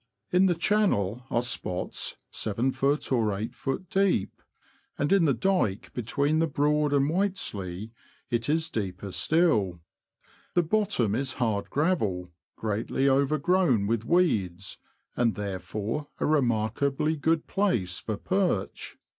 In the channel are spots 7ft. or 8ft. deep ; and in the dyke between the Broad and Whiteslea it is deeper still. The bottom is hard gravel, greatly overgrown with weeds, and therefore a remarkably good place for perch.